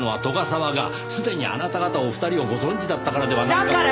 沢がすでにあなた方お二人をご存じだったからではないかと。